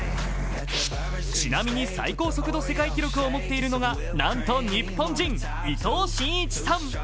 ちなみに最高速度世界記録を持っているのがなんと日本人、伊藤慎一さん。